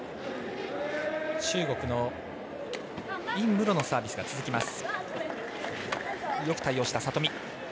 中国の尹夢ろのサービスが続きます。